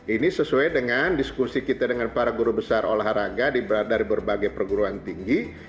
ini sesuai dengan diskusi kita dengan para guru besar olahraga dari berbagai perguruan tinggi